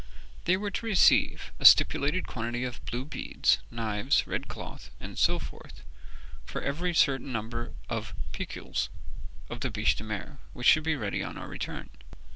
They were to receive a stipulated quantity of blue beads, knives, red cloth, and so forth, for every certain number of piculs of the biche de mer which should be ready on our return.